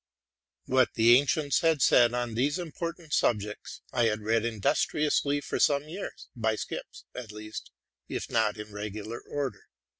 What the ancients had said on these important subjects I had read industriously for some years, by skips at least, if not in regular order.